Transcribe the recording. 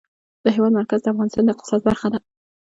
د هېواد مرکز د افغانستان د اقتصاد برخه ده.